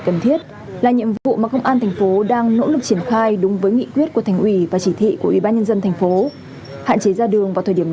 và một lực lượng của công an thành phố đang nỗ lực triển khai đúng với nghị quyết của thành ủy và chỉ thị của ủy ban nhân dân thành phố